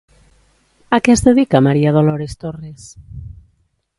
A què es dedica María Dolores Torres?